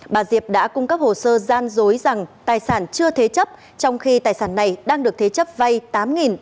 bà diệp đã cung cấp hồ sơ gian dối rằng tài sản chưa thế chấp trong khi tài sản này đang được thế chấp vay tám bảy trăm linh lượng vàng tại agribank tp hcm